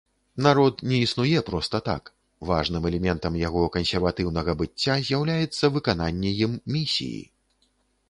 Народ не існуе проста так, важным элементам яго кансерватыўнага быцця з'яўляецца выкананне ім місіі.